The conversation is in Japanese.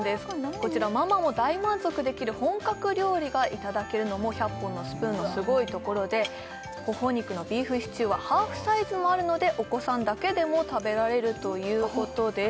こちらママも大満足できる本格料理がいただけるのも１００本のスプーンのすごいところでほほ肉のビーフシチューはハーフサイズもあるのでお子さんだけでも食べられるということです